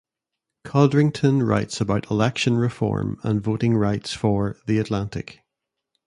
Codrington writes about election reform and voting rights for "The Atlantic".